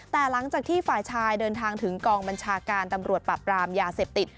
แต่หลังจากที่ฝ่ายชายเดินทางถึงกองบัญชาการตำรวจปราบรามยาเสพติด